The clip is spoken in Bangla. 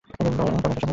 তোর এতো সাহস!